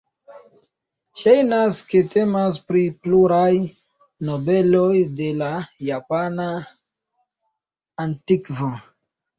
Ŝajnas ke temas pri pluraj nobeloj de la japana antikvo.